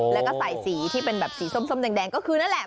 แล้วก็ใส่สีที่เป็นแบบสีส้มแดงก็คือนั่นแหละ